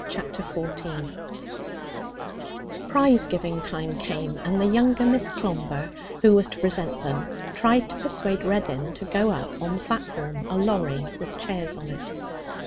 Chapter 14 Prize giving time came, and the younger Miss Clomber, who was to present them, tried to persuade Reddin to go up on the platform, a lorry with chairs on it.